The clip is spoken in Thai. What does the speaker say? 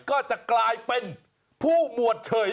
ก็จะกลายเป็นผู้หมวดเฉย